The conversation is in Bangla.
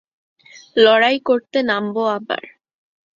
লড়াই করতে নামবো আবার